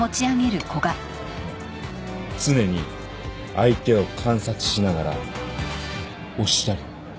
常に相手を観察しながら押したり引いたり。